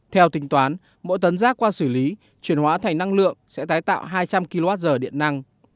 theo tính toán mỗi tấn rác qua xử lý chuyển hóa thành năng lượng sẽ tái tạo hai trăm linh kwh điện năng